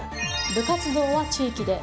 部活動は地域で。